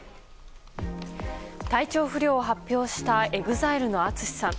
体調不良を発表したＥＸＩＬＥのＡＴＳＵＳＨＩさん。